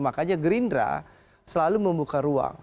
makanya gerindra selalu membuka ruang